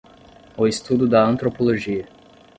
O estudo da Antropologia.